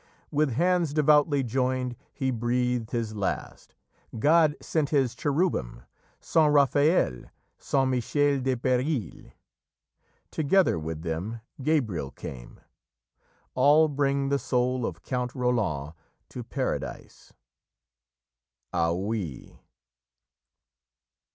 "... With hands devoutly joined He breathed his last. God sent his Cherubim, Saint Raphael, Saint Michel del Peril. Together with them Gabriel came. All bring The soul of Count Rolland to Paradise. Aoi."